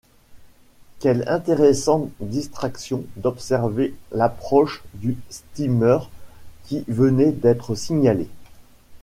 Quelle intéressante distraction d’observer l’approche du steamer qui venait d’être signalé!